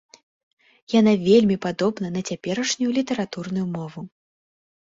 Яна вельмі падобна на цяперашнюю літаратурную мову.